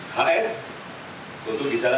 kemudian ks dan mb untuk yang di tenayan raya